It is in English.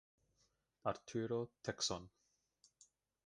Arturo Tecson.